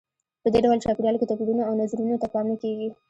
په دې ډول چاپېریال کې توپیرونو او نظرونو ته پام نه کیږي.